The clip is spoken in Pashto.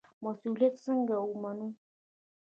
مسوولیت څنګه ومنو؟